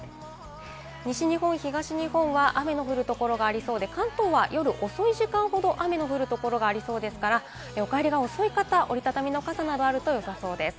西日本、東日本は雨の降る所がありそうで、関東は夜遅い時間ほど雨の降る所がありそうですから、お帰りが遅い方、折り畳みの傘などあるとよさそうです。